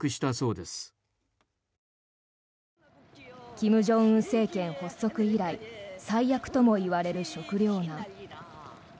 金正恩政権発足以来最悪ともいわれる食糧難。